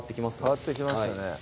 変わってきましたね